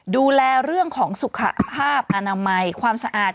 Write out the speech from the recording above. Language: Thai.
ดูแลเรื่องของสุขภาพอนามัยความสะอาด